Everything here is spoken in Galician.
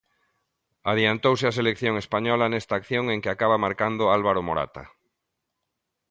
Adiantouse a selección española nesta acción en que acaba marcando Álvaro Morata.